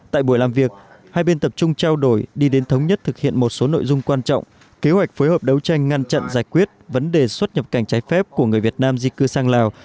tại buổi làm việc hai bên tập trung trao đổi đi đến thống nhất thực hiện một số nội dung quan trọng kế hoạch phối hợp đấu tranh ngăn chặn giải quyết vấn đề xuất nhập cảnh trái phép của người việt nam di cư sang lào